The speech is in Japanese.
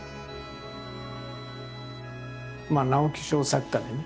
直木賞作家でね